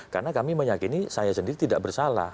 karena kami meyakini saya sendiri tidak bersalah